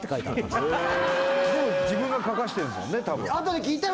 でも自分が書かしてんですもんね